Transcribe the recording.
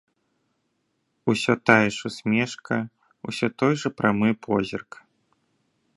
Усё тая ж усмешка, усё той жа прамы позірк.